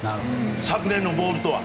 昨年のボールとは。